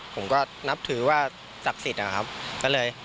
ผมก็นับถือว่าศักดิ์สิทธิ์